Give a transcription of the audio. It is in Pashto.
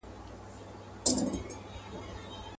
ويل باز به وي حتماً خطا وتلى.